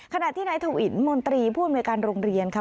ขณะที่นายถวินมนตรีผู้อำนวยการโรงเรียนค่ะ